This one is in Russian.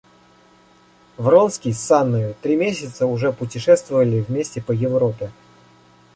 Вронский с Анною три месяца уже путешествовали вместе по Европе.